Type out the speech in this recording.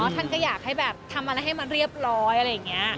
ท่านก็อยากให้แบบทำอะไรให้มันเรียบร้อยอะไรอย่างนี้